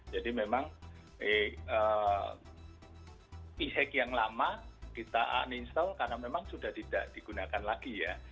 jadi memang e hack yang lama kita uninstall karena memang sudah tidak digunakan lagi ya